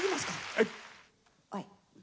はい。